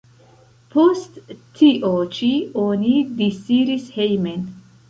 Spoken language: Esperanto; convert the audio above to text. Post tio ĉi oni disiris hejmen.